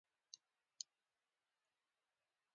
ډېر په غوسه وم، ټول بې عقله دي.